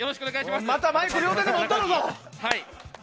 またマイク両手で持っとるぞ！